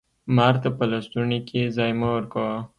مار ته په لستوڼي کي ځای مه ورکوه!